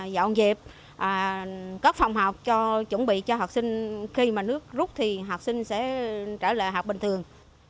dọn dẹp các phòng học cho chuẩn bị cho học sinh khi mà nước rút thì học sinh sẽ trở lại học bình thường